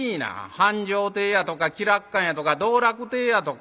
繁昌亭やとか喜楽館やとか動楽亭やとか。